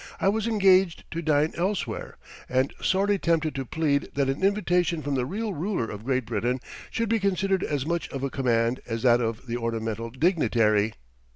I was engaged to dine elsewhere and sorely tempted to plead that an invitation from the real ruler of Great Britain should be considered as much of a command as that of the ornamental dignitary.